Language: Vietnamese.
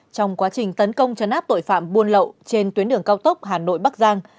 trong quá trình tấn công chấn áp tội phạm buôn lậu trên tuyến đường cao tốc hà nội bắc giang